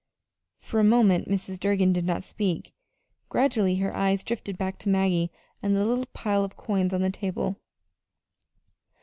For a moment Mrs. Durgin did not speak. Gradually her eyes drifted back to Maggie and the little pile of coins on the table.